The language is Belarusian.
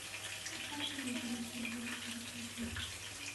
Няхай жыве вялікая беларуская літаратура!